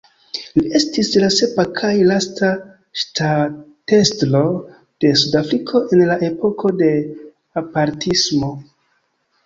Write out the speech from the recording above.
Li estis la sepa kaj lasta ŝtatestro de Sudafriko en la epoko de apartismo.